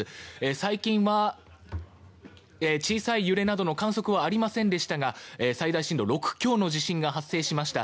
最近は小さい揺れなどの観測はありませんでしたが最大震度６強の地震が発生しました。